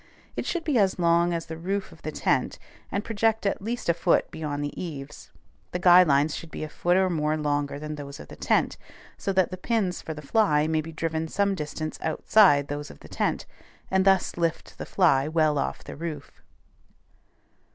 It should be as long as the roof of the tent, and project at least a foot beyond the eaves. The guy lines should be a foot or more longer than those of the tent, so that the pins for the fly may be driven some distance outside those of the tent, and thus lift the fly well off the roof.